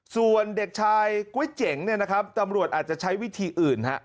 ส่วนเด็กชายก๊วยเจ๋งเนี่ยนะครับตำรวจอาจจะใช้วิธีอื่นฮะ